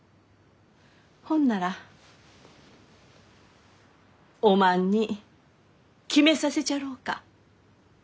ほんならおまんに決めさせちゃろうか。